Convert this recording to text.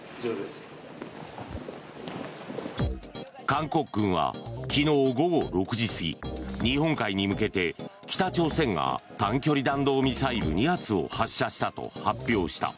韓国軍は昨日午後６時過ぎ日本海に向けて北朝鮮が短距離弾道ミサイル２発を発射したと発表した。